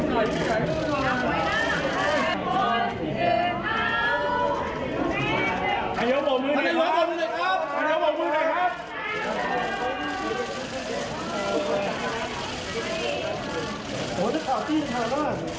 พัยเยาะหมดมือหน่อยครับ